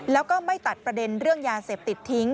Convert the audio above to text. แล้วก็ไม่ตัดประเด็นเรื่องยาเสพติดทิ้ง